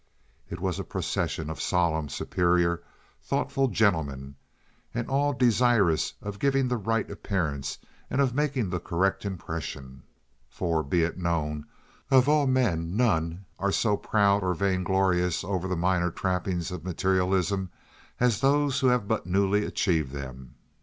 It was a procession of solemn, superior, thoughtful gentlemen, and all desirous of giving the right appearance and of making the correct impression. For, be it known, of all men none are so proud or vainglorious over the minor trappings of materialism as those who have but newly achieved them.